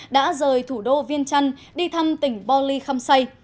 đã rời thủ đô viên trăn đi thăm tỉnh bò lì khăm xây